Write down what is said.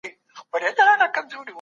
موږ د کاميابۍ راز موندلی دی.